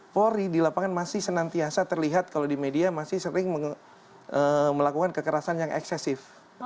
polri di lapangan masih senantiasa terlihat kalau di media masih sering melakukan kekerasan yang eksesif